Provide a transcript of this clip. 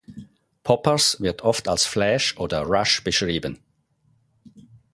Poppers wird oft als „Flash“ oder „Rush“ beschrieben.